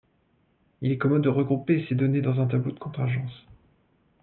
Il est commode de regrouper ces données dans un tableau de contingence.